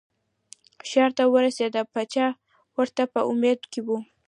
ښار ته ورسېده پاچا ورته په امید کې و.